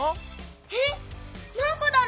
えっなんこだろう？